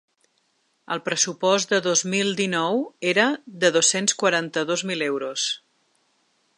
El pressupost de dos mil dinou era de dos-cents quaranta-dos mil euros.